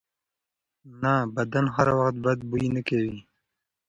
نه، بدن هر وخت بد بوی نه کوي.